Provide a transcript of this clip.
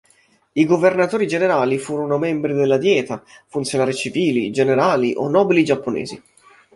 I Governatori generali furono membri della Dieta, funzionari civili, generali o nobili giapponesi.